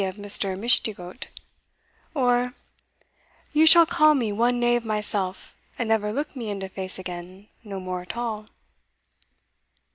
of Mr. Mishdigoat, or you shall call me one knave myself, and never look me in de face again no more at all."